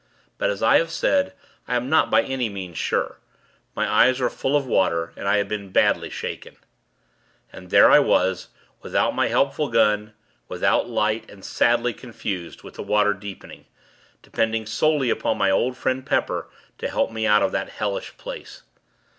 But, as I have said, I am not by any means sure. My eyes were full of water, and I had been badly shaken. And there was I, without my helpful gun, without light, and sadly confused, with the water deepening; depending solely upon my old friend Pepper, to help me out of that hellish place.